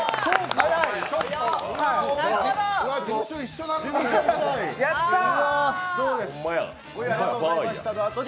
事務所一緒なのに！